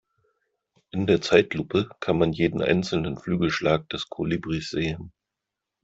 In der Zeitlupe kann man jeden einzelnen Flügelschlag des Kolibris sehen.